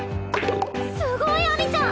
すごい秋水ちゃん！